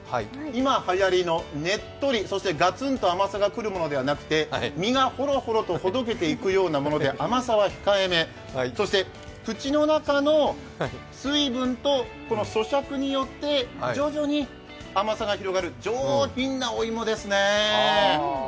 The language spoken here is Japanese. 今はやりのねっとり、そしてガツンと甘さがくるものではなくて、身がほろほろとほどけていくようなもので、甘さは控えめ、そして口の中の水分とそしゃくによって徐々に甘さが広がる、上品なお芋ですね。